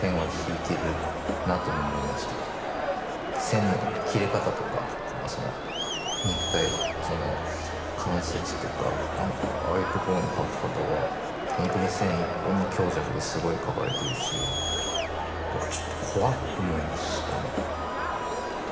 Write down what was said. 線の切れ方とかその肉体その関節とかなんかああいうところの描き方が本当に線１本の強弱ですごい描かれてるしわちょっと怖って思いましたね。